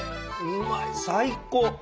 うまい最高！